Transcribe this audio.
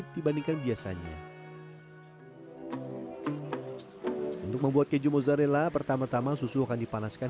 dibandingkan biasanya untuk membuat keju mozzarella pertama tama susu akan dipanaskan